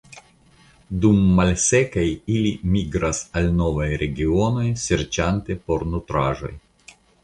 Dum malsekaj ili migras al novaj regionoj serĉante por nutraĵoj.